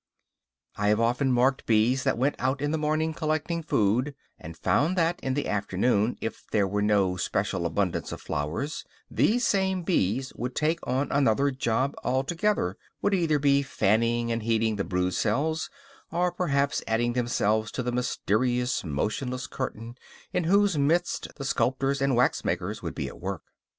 I have often marked bees that went out in the morning collecting food; and found that, in the afternoon, if there was no special abundance of flowers, these same bees would take on another job altogether; would either be fanning and heating the brood cells, or perhaps adding themselves to the mysterious, motionless curtain in whose midst the sculptors and waxmakers would be at work.